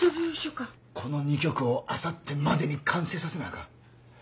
この２曲をあさってまでに完成させなあかん。